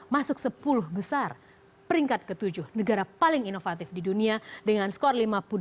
masuk sepuluh besar peringkat ke tujuh negara paling inovatif di dunia dengan skor lima puluh delapan